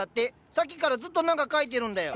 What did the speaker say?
さっきからずっと何か描いてるんだよ。